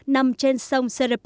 nằm trên sông serapis